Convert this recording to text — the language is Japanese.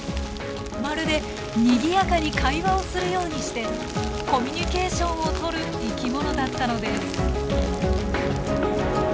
まるでにぎやかに会話をするようにしてコミュニケーションをとる生き物だったのです。